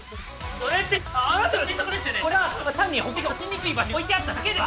これが単にホコリが落ちにくい場所に置いてあっただけでは？